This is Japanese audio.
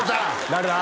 誰だ？